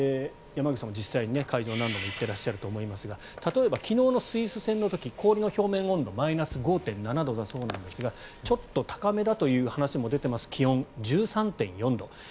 山口さんも実際に何度も会場に何度も行ってらっしゃると思いますが例えば昨日のスイス戦の時氷の表面温度はマイナス５．７度だそうですがちょっと高めだという話も出ていますが気温、１３．４度。